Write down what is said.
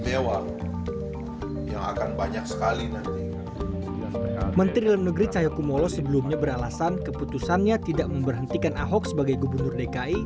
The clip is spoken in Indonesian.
menteri dalam negeri cahaya kumolo sebelumnya beralasan keputusannya tidak memberhentikan ahok sebagai gubernur dki